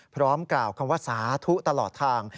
พร้อมกล่าวคำว่าสาธุตลอดทาง